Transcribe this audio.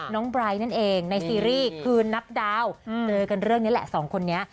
ไบร์ทนั่นเองในซีรีส์คือนับดาวเจอกันเรื่องนี้แหละสองคนนี้